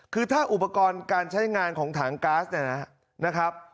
คือถ้าอุปกรณ์การใช้งานของถังก๊าซเนี่ยนะครับ